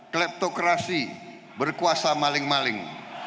kleptokrasi berkuasa maling maling